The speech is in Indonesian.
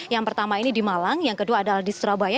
yang pertama ini di malang yang kedua adalah di surabaya